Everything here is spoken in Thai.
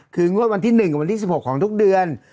คืองวดวันที่๑กับวันที่๑๖ของทุกเดือน